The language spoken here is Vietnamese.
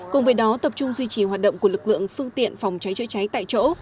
cùng với đó tập trung duy trì hoạt động của lực lượng phương tiện phòng cháy chữa cháy tại chỗ